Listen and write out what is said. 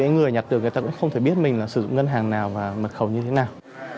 nghe tưởng người ta cũng không thể biết mình là sử dụng ngân hàng nào và mật khẩu như thế nào